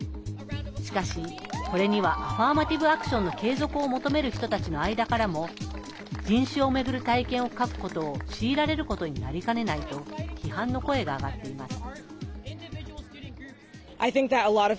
しかし、これにはアファーマティブ・アクションの継続を求める人たちの間からも人種を巡る体験を書くことを強いられることになりかねないと批判の声が上がっています。